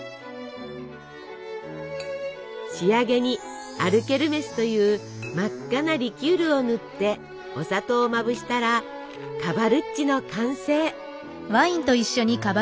仕上げに「アルケルメス」という真っ赤なリキュールを塗ってお砂糖をまぶしたらカバルッチの完成。